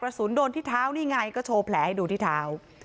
โดนที่เท้านี่ไงก็โชว์แผลให้ดูที่เท้า